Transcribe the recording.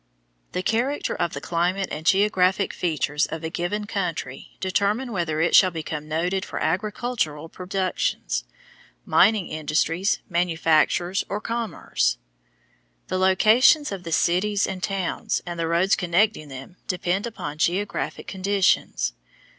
The character of the climate and geographic features of a given country determine whether it shall become noted for agricultural productions, mining industries, manufactures, or commerce. The locations of the cities and towns and the roads connecting them depend upon geographic conditions.